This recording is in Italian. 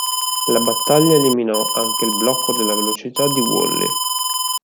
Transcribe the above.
La battaglia eliminò anche il blocco della velocità di Wally.